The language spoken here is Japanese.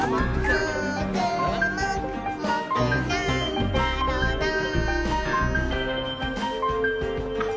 「もーくもくもくなんだろなぁ」